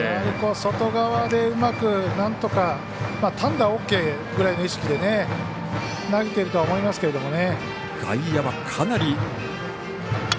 外側でうまくなんとか単打はオーケーぐらいの意識で投げてるとは思いますけどね。